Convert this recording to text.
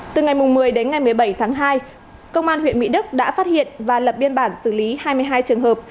từ ngày một mươi đến ngày một mươi bảy tháng hai công an huyện mỹ đức đã phát hiện và lập biên bản xử lý hai mươi hai trường hợp